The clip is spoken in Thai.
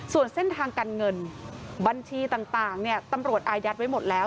ส่วนเส้นทางการเงินบัญชีต่างเนี่ยตำรวจอายัดไว้หมดแล้ว